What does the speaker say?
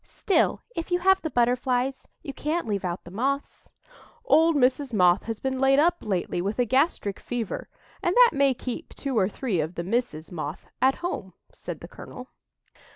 Still, if you have the Butterflies, you can't leave out the Moths." "Old Mrs. Moth has been laid up lately with a gastric fever, and that may keep two or three of the Misses Moth at home," said the colonel.